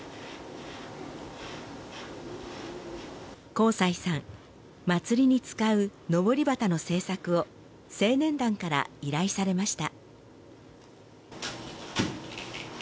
幸才さん祭りに使うのぼり旗の制作を青年団から依頼されました。